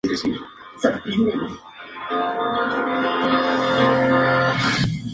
Conjuntamente fue Gran Canciller de la Pontificia Universidad Católica de Valparaíso.